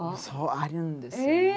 そうあるんですよ。